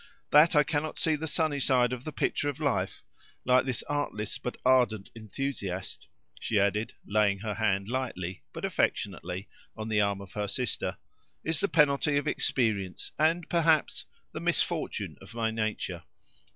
"That I cannot see the sunny side of the picture of life, like this artless but ardent enthusiast," she added, laying her hand lightly, but affectionately, on the arm of her sister, "is the penalty of experience, and, perhaps, the misfortune of my nature.